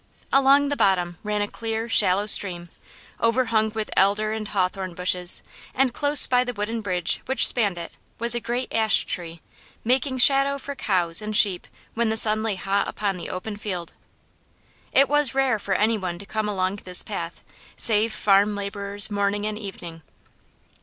Along the bottom ran a clear, shallow stream, overhung with elder and hawthorn bushes; and close by the wooden bridge which spanned it was a great ash tree, making shadow for cows and sheep when the sun lay hot upon the open field. It was rare for anyone to come along this path, save farm labourers morning and evening.